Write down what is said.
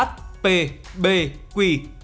h p b q